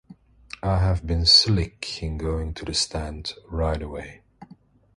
I have been slick in going to the stand right away.